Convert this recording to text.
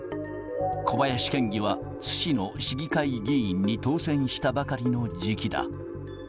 小林県議は津市の市議会議員に当選したばかりの時期だ。